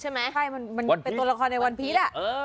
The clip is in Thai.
ใช่ไหมมันเป็นราคาในวานพีซ